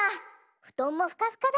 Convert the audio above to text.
ふとんもふかふかだ。